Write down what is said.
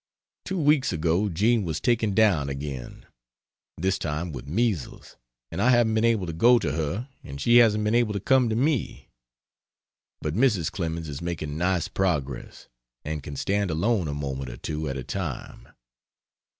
Two weeks ago Jean was taken down again this time with measles, and I haven't been able to go to her and she hasn't been able to come to me. But Mrs. Clemens is making nice progress, and can stand alone a moment or two at a time.